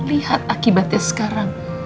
lihat akibatnya sekarang